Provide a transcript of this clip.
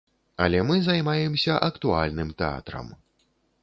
Але мы займаемся актуальным тэатрам.